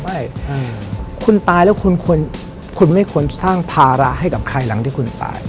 ไม่คุณตายแล้วคุณไม่ควรสร้างภาระให้กับใครหลังที่คุณตาย